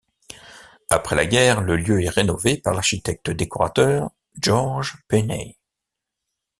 Après la guerre, le lieu est rénové par l’architecte-décorateur Georges Peynet.